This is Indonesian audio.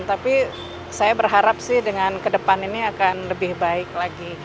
tapi saya berharap sih dengan ke depan ini akan lebih baik lagi